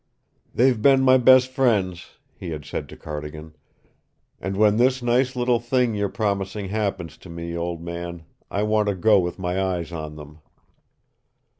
"They've been my best friends," he had said to Cardigan, "and when this nice little thing you're promising happens to me, old man, I want to go with my eyes on them."